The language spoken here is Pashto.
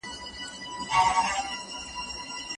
چي بچي دي زېږولي غلامان دي